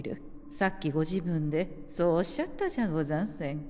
さっきご自分でそうおっしゃったじゃござんせんか。